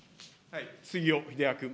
杉尾秀哉君。